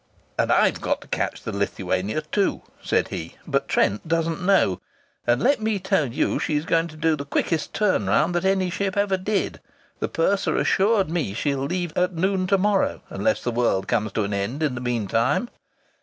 "And I've got to catch the Lithuania, too!" said he. "But Trent doesn't know!... And let me tell you she's going to do the quickest turn round that any ship ever did. The purser assured me she'll leave at noon to morrow unless the world comes to an end in the meantime.